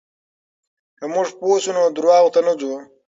که موږ پوه شو، نو درواغو ته نه ځو.